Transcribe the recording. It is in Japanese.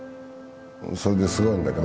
それですごいんだけど。